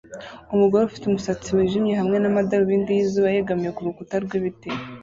Umugore ufite umusatsi wijimye hamwe n’amadarubindi yizuba yegamiye kurukuta rwibiti